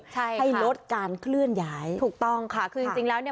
ใช่ให้ลดการเคลื่อนย้ายถูกต้องค่ะคือจริงจริงแล้วเนี่ย